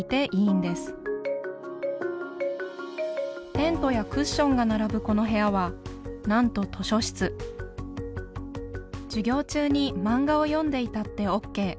テントやクッションが並ぶこの部屋はなんと授業中にマンガを読んでいたってＯＫ。